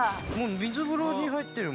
水風呂に入ってるもん。